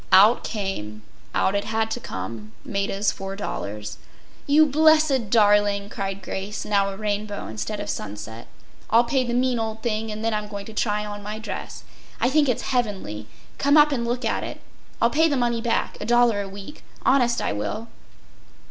Out came—out it had to come—Maida’s $4. “You blessed darling,” cried Grace, now a rainbow instead of sunset. “I’ll pay the mean old thing and then I’m going to try on my dress. I think it’s heavenly. Come up and look at it. I’ll pay the money back, a dollar a week—honest I will.